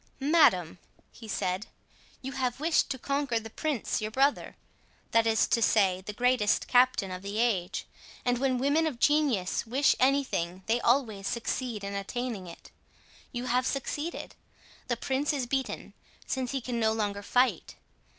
"Madame," he said, "you have wished to conquer the prince your brother—that is to say, the greatest captain of the age; and when women of genius wish anything they always succeed in attaining it. You have succeeded; the prince is beaten, since he can no longer fight.